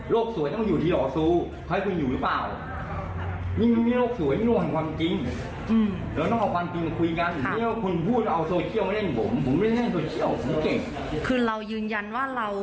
สวยต้องอยู่ที่หอซูให้คุณอยู่หรือเปล่า